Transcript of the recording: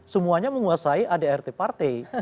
semuanya menguasai adrt partai